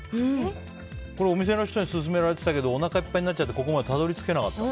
これ、お店の人に勧められてたけどおなかいっぱいになっちゃってここまでたどり着けなかったの？